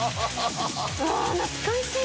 うわ懐かしい！